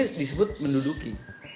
mereka dikumpulkan untuk menuduki